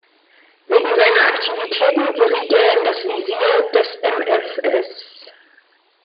Wegen seiner Aktivitäten geriet er in das Visier des MfS.